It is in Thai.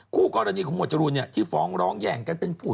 ครูเกิดีณีของหมดจุฬที่ฟ้องร้องแย่งกันเป็นผู้